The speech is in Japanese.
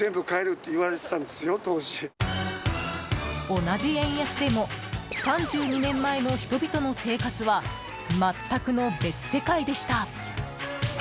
同じ円安でも３２年前の人々の生活は全くの別世界でした。